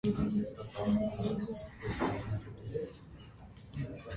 Դեպի փորը գույները խամրում և սպիտակում են։